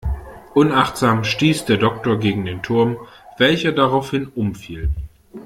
Unachtsam stieß der Doktor gegen den Turm, welcher daraufhin umfiel.